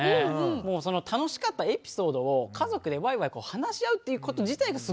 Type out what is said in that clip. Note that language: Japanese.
もうその楽しかったエピソードを家族でワイワイ話し合うっていうこと自体がすごいすてきですよね。